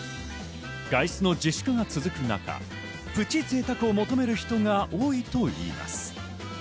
外出の自粛が続く中、プチ贅沢を求める人が多いといいます。